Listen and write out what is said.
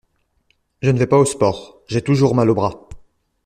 Je ne vais pas au sport, j'ai toujours mal au bras.